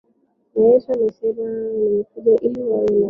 na yesu amesema nimekuja ili wawe na uzima